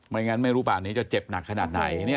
ไม่งั้นไม่รู้ปากนี้จะเจ็บหนักขนาดไหนเนี้ย